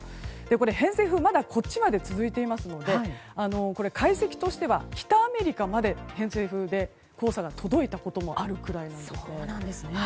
偏西風まだこっちまで続いていますので解析としては北アメリカまで偏西風で黄砂が届いたこともあるくらいなんですね。